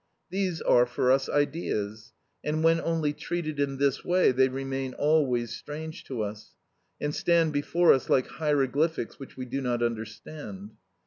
These are for us ideas, and when only treated in this way, they remain always strange to us, and stand before us like hieroglyphics which we do not understand.